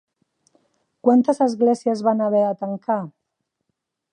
Quantes esglésies van haver de tancar?